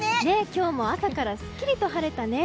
今日も朝からすっきりと晴れたね。